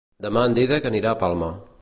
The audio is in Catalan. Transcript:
Demà en Dídac anirà a Palma.